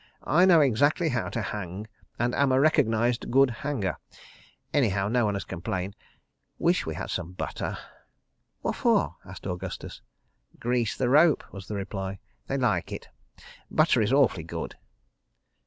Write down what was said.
I know exactly how to hang, and am a recognised good hanger. Anyhow, no one has complained. ... Wish we had some butter. ..." "Whaffor?" asked Augustus. "Grease the rope," was the reply. "They like it. Butter is awfully good."